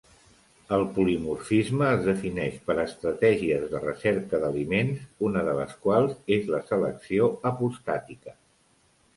El polimorfisme es defineix per estratègies de recerca d'aliments, una de les quals és la selecció apostàtica.